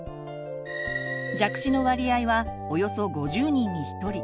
弱視の割合はおよそ５０人に１人。